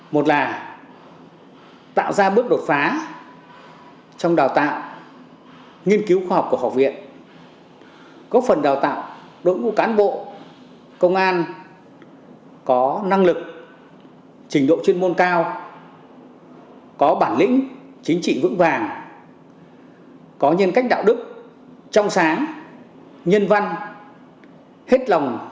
một là tạo ra bước đột phá trong đào tạo nghiên cứu khoa học của học viện góp phần đào tạo đội ngũ cán bộ công an có năng lực trình độ chuyên môn cao có bản lĩnh chính trị vững vàng có nhân cách đạo đức trong sáng nhân vật